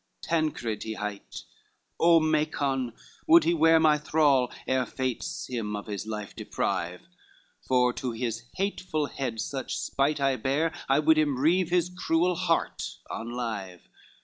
XX "Tancred he hight, O Macon, would he wear My thrall, ere fates him of this life deprive, For to his hateful head such spite I bear, I would him reave his cruel heart on live."